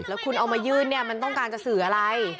แล้วคุณเอามายื่นเนี่ยมันต้องการจะสื่ออะไร